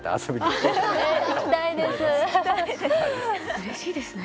うれしいですね。